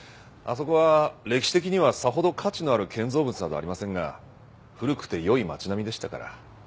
あそこは歴史的にはさほど価値のある建造物などはありませんが古くて良い街並みでしたから。